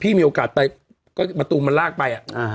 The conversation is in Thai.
พี่มีโอกาสไปก็มัตรูมันรากไป